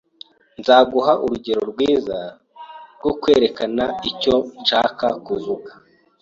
Nzaguha urugero rwiza rwo kwerekana icyo nshaka kuvuga.